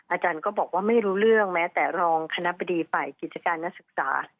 อาจารย์ก็บอกว่าไม่รู้เรื่องแม้แต่รองคณะบดีฝ่ายกิจการนักศึกษา